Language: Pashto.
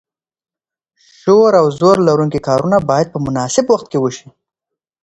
شور او زور لرونکي کارونه باید په مناسب وخت کې وشي.